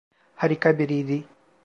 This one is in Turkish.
Harika biriydi.